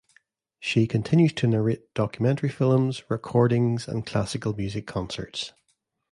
She continues to narrate documentary films, recordings, and classical music concerts.